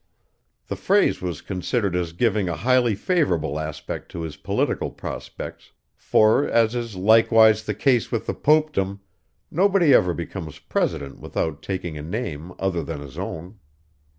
The phrase was considered as giving a highly favorable aspect to his political prospects; for, as is likewise the case with the Popedom, nobody ever becomes President without taking a name other than his own.